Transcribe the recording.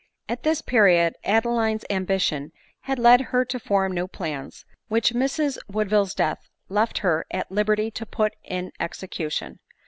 At this period Adeline's ambition had led her to form new plans, which MrsWoodville's death left her at liberty to put in execution.